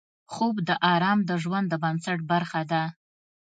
خوب د آرام د ژوند د بنسټ برخه ده